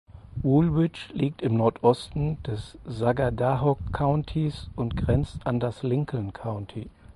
Woolwich liegt im Nordosten des Sagadahoc Countys und grenzt an das Lincoln County.